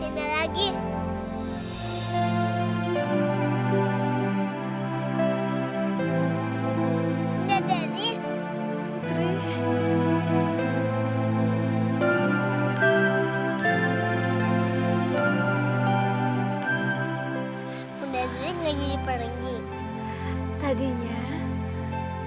tadinya bunda dari sudah menghilang sayang